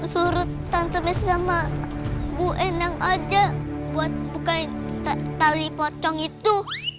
surut tanpa biasa sama bu enang aja buat bukain tali pocong itu